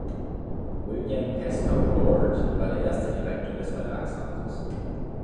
William Pascoe Goard war der erste Direktor des Verlagshauses.